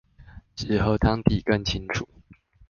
使核糖體更清楚